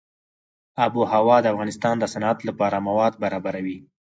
آب وهوا د افغانستان د صنعت لپاره مواد برابروي.